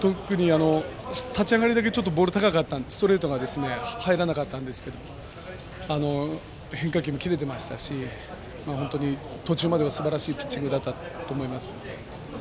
立ち上がりだけちょっとボールが高くてストレートが入らなかったんですが変化球も切れてましたし途中まですばらしいピッチングだったと思います。